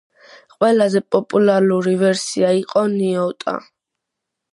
ყველაზე პოპულარული ვერსია იყო ნიოტა.